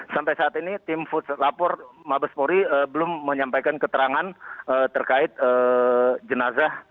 sampai saat ini tim puslapor mampas polri belum menyampaikan keterangan terkait jenazah